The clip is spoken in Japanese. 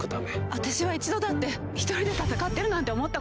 「私は一度だって一人で戦ってるなんて思ったことない」